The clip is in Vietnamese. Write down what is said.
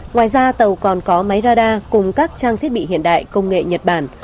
ngoài ra tàu còn có máy radar cùng các trang thiết bị hiện đại công nghệ nhật bản